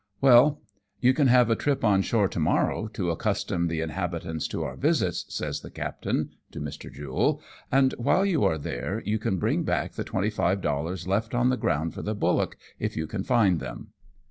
''" Well, you can have a trip on shore to morrow, to accustom the inhabitants to our visits," says the captain to Mr. Jule, " and while you are there, you can bring back the twenty five dollars left on the ground for the bullock, if you can find them."